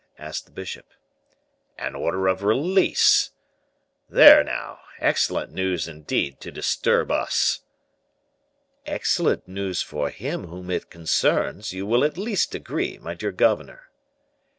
asked the bishop. "An order of release! There, now; excellent news indeed to disturb us!" "Excellent news for him whom it concerns, you will at least agree, my dear governor!"